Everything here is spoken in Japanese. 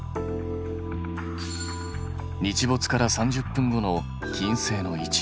日没から３０分後の金星の位置。